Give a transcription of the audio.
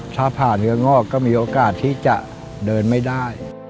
ถ้าผ่านเนื้องอกก็มีโอกาสที่จะเดินไม่ได้